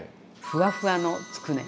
ふわふわつくね。